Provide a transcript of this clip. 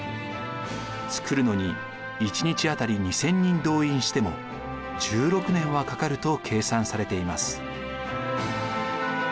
造るのに１日あたり２，０００人動員しても１６年はかかると計算されています。